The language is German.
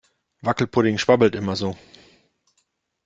Wackelpudding schwabbelt immer so.